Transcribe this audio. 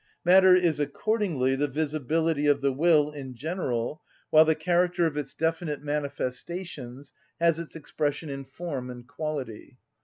Matter is accordingly the visibility of the will in general, while the character of its definite manifestations has its expression in form and quality.